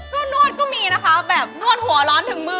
ก็นวดก็มีนะคะแบบนวดหัวร้อนถึงมือ